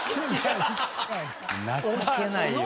情けないよ。